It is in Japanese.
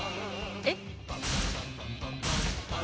えっ？